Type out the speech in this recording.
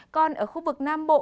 còn ở khu vực nam bộ